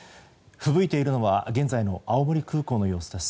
ふぶいているのは現在の青森空港の様子です。